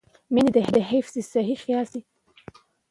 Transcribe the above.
میندې د حفظ الصحې خیال ساتي.